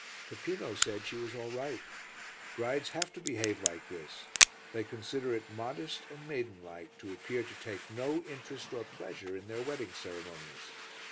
Peppino said she was all right. Brides have to behave like this; they consider it modest and maiden like to appear to take no interest or pleasure in their wedding ceremonies.